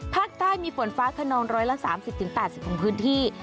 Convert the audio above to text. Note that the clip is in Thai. ภาคใต้มีฝนฟ้าขนอง๑๓๐๘๐ของพื้นที่